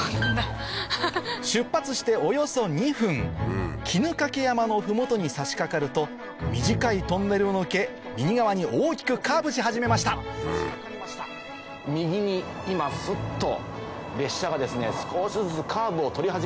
出発しておよそ２分衣掛山の麓に差し掛かると短いトンネルを抜け右側に大きくカーブし始めました少しずつ。